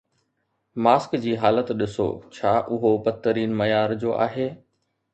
Mask جي حالت ڏسو، ڇا اهو بدترين معيار جو آهي.